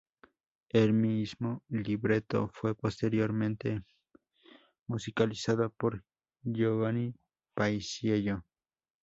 El mismo libreto fue posteriormente musicalizado por Giovanni Paisiello.